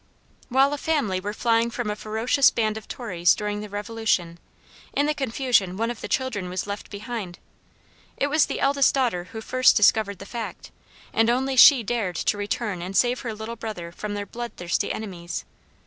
While a family were flying from a ferocious band of tories during the Revolution, in the confusion, one of the children was left behind. It was the eldest daughter who first discovered the fact, and only she dared to return and save her little brother from their blood thirsty enemies.